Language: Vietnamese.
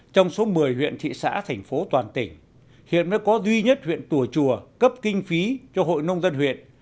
trong số một mươi huyện thị xã thành phố toàn tỉnh hiện mới có duy nhất huyện tùa chùa cấp kinh phí cho hội nông dân huyện